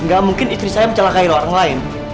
nggak mungkin istri saya mencelakai orang lain